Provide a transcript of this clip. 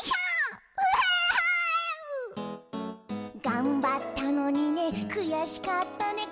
「がんばったのにねくやしかったね」